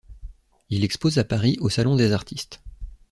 Il expose à Paris au Salon des Artistes.